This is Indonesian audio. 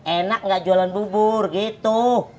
enak gak jualan bubur gitu